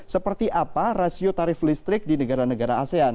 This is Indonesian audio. seperti apa rasio tarif listrik di negara negara asean